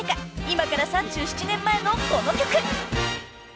［今から３７年前のこの曲］